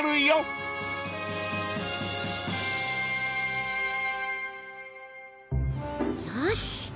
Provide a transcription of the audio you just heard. よし！